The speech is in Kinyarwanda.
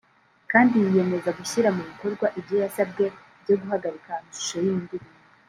kandi yiyemeza gushyira mu bikorwa ibyo yasabwe byo guhagarika amashusho y’iyi ndirimbo